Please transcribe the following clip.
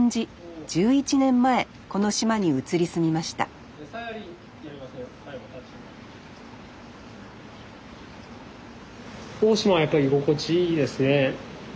１１年前この島に移り住みました大島はやっぱり居心地いいですね。